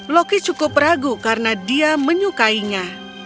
loki cukup ragu karena dia menyukainya